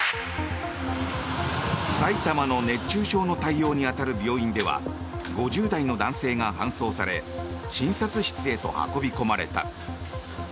埼玉の熱中症の対応に当たる病院では５０代の男性が搬送され診察室へと運び込まれた。